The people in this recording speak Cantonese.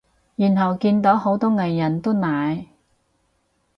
然後見到好多藝人都奶